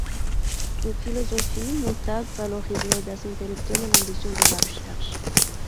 En philosophie, Montague valorise l'audace intellectuelle et l'ambition de la recherche.